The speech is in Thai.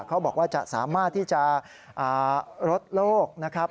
เขาบอกว่าจะสามารถที่จะลดโลกนะครับ